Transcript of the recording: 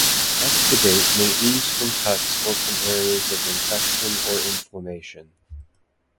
Exudate may ooze from cuts or from areas of infection or inflammation.